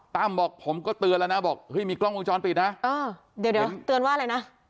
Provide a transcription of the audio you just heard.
ตั้มบอกผมก็เตือนแล้วนะมีกล้องวงจรปิดนะเดี๋ยวเตือนว่าอะไรนะ